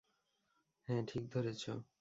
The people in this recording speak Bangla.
হ্যাঁ, ঠিক ধরেছো।